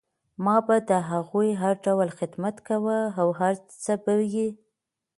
ما به د هغو هر ډول خدمت کوه او هر څه به یې